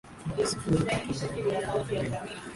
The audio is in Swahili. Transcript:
ba sifuri tatu mbili moja nane mbili